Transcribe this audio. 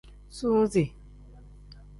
Suuzi.